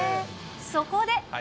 そこで。